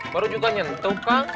baru juga nyentuh kang